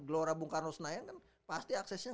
gelora bung karno senayan kan pasti aksesnya